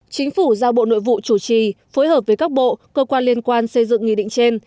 chính phủ giao bộ nội vụ chủ trì phối hợp với các bộ cơ quan liên quan xây dựng nghị định trên